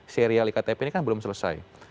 serial iktp ini kan belum selesai